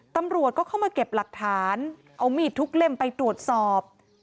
ตำรวจก็เข้ามาเก็บหลักฐานเอามีดทุกเล่มไปตรวจสอบ